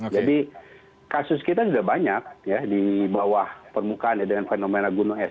jadi kasus kita sudah banyak di bawah permukaannya dengan fenomena gunung es